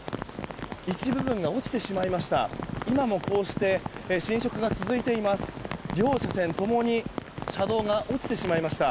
今、道路の一部分が落ちてしまいました。